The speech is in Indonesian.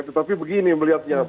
tetapi begini melihatnya